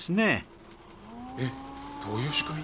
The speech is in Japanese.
えっどういう仕組み？